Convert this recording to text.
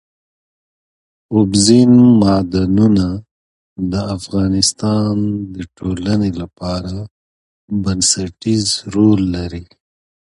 اوبزین معدنونه د افغانستان د ټولنې لپاره بنسټيز رول لري.